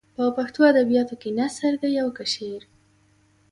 په پښتو ادبیاتو کې که نثر دی او که شعر.